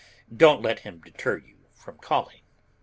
Don't let him deter you from calling.